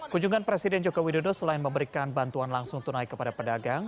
kunjungan presiden joko widodo selain memberikan bantuan langsung tunai kepada pedagang